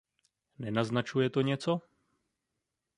Nenaznačuje to něco?